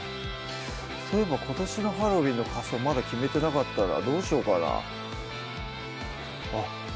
そういえば今年のハロウィンの仮装まだ決めてなかったなどうしようかな？